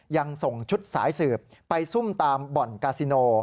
ยังส่งชุดสายสืบไปซุ่มตามบ่อนกาซิโน